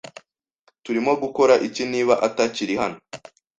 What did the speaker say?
Turimo gukora iki niba atakiri hano?